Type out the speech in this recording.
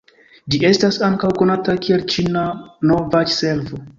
Ĝi estas ankaŭ konata kiel Ĉina Novaĵ-Servo.